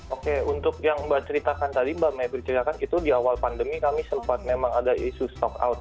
oke untuk yang mbak ceritakan tadi mbak mepri ceritakan itu di awal pandemi kami sempat memang ada isu stock out